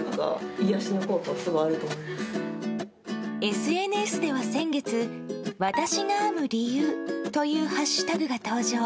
ＳＮＳでは先月「＃私が編む理由」というハッシュタグが登場。